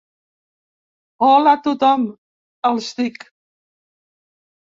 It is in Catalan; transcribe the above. Hola a tothom –els dic.